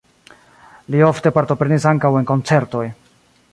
Li ofte partoprenis ankaŭ en koncertoj.